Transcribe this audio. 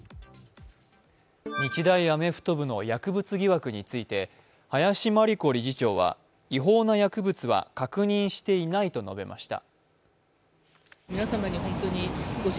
日大アメフト部の薬物疑惑について林真理子理事長は違法な薬物は確認していないと述べました。